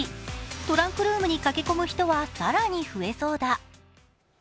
トランクルームに駆け込む人は更に増えそうだ。